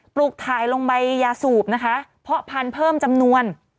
ลูกถ่ายลงใบยาสูบนะคะเพาะพันธุ์เพิ่มจำนวน